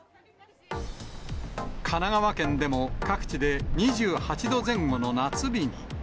神奈川県でも各地で２８度前後の夏日に。